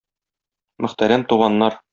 Мөхтәрәм туганнар!